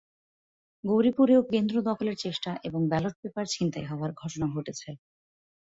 গৌরীপুরেও কেন্দ্র দখলের চেষ্টা এবং ব্যালট পেপার ছিনতাই হওয়ার ঘটনা ঘটেছে।